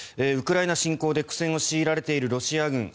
ウクライナ侵攻で苦戦を強いられているロシア軍。